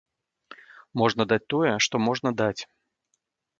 Можна даць тое, што можна даць.